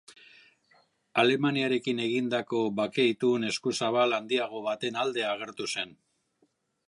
Alemaniarekin egindako bake itun eskuzabal handiago baten alde agertu zen.